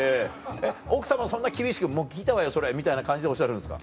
奥様そんな厳しく「聞いたわよそれ」みたいな感じでおっしゃるんですか？